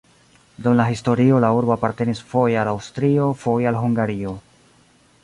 Dum la historio la urbo apartenis foje al Aŭstrio, foje al Hungario.